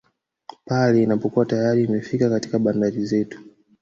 Pale inapokuwa tayari imefika katika bandari zetu